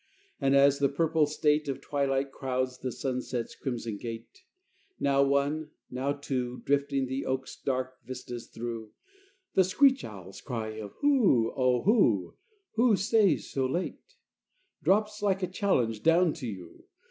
And as the purple state Of twilight crowds the sunset's crimson gate, Now one, now two, Drifting the oaks' dark vistas through, The screech owl's cry of "Who, oh, who, Who stays so late?" Drops like a challenge down to you.